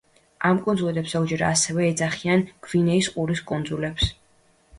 ამ კუნძულებს ზოგჯერ ასევე ეძახიან გვინეის ყურის კუნძულებს.